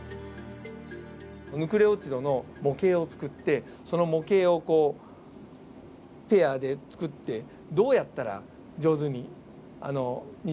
ヌクレオチドの模型を作ってその模型をペアで作ってどうやったら上手に二重らせんが出来るか。